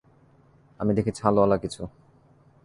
আমি দেখি ছালওয়ালা কিছু।